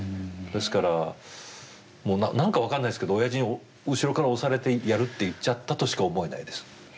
ですから何か分かんないですけどおやじに後ろから押されてやるって言っちゃったとしか思えないです。